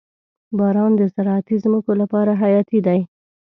• باران د زراعتي ځمکو لپاره حیاتي دی.